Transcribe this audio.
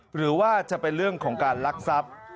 หรือว่าจะเป็นเรื่องของการลักทรัพย์